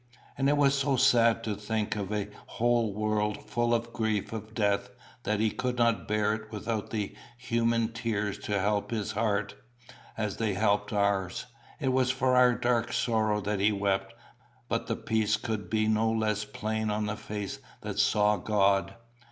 And it was so sad to think of a whole world full of the grief of death, that he could not bear it without the human tears to help his heart, as they help ours. It was for our dark sorrows that he wept. But the peace could be no less plain on the face that saw God.